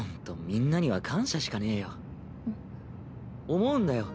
思うんだよ。